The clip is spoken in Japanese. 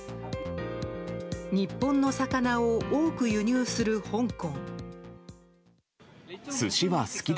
日本の魚を多く輸入する香港。